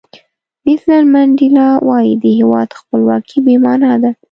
نیلسن منډیلا وایي د هیواد خپلواکي بې معنا ده.